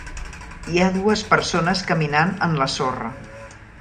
Hi ha dues persones caminant en la sorra.